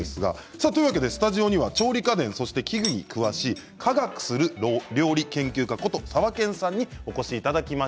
スタジオには調理家電器具に詳しい科学する料理研究家ことさわけんさんにお越しいただいています。